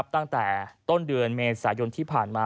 ตั้งแต่ต้นเดือนเมษายนที่ผ่านมา